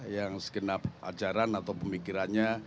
yang segenap ajaran atau pemikirannya